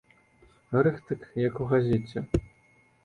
Рыхтык як у газеце.